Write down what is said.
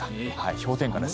氷点下です。